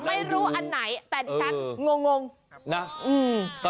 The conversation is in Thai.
ไม่รู้อันไหนแต่ฉันางงง